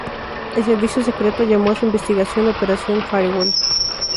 El Servicio Secreto llamó a su investigación "Operación Firewall".